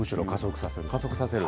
加速させる。